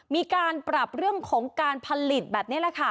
มีการปรับเรื่องของการผลิตแบบนี้แหละค่ะ